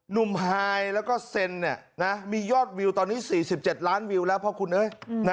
หนุ่มไฮแล้วก็เซ็นมียอดวิวตอนนี้๔๗ล้านวิวแล้วเพราะคุณเอ้ย